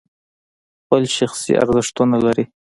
خپل شخصي ارزښتونه لري.